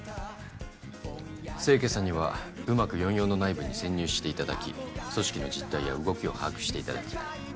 清家さんにはうまく４４の内部に潜入して頂き組織の実態や動きを把握して頂きたい。